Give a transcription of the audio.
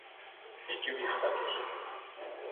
Які ў іх статус?